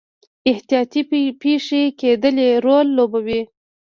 احتیاطي پېښې کلیدي رول لوبوي.